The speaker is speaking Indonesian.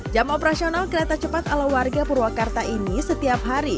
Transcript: jam operasional kereta cepat ala warga purwakarta ini setiap hari